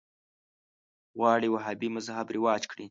غواړي وهابي مذهب رواج کړي